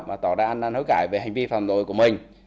và tỏ ra anh anh hối cãi về hành vi phạm tội của mình